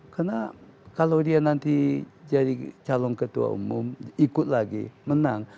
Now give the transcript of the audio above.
karena kalau dia nanti jadi calon ketua umum ikut lagi menang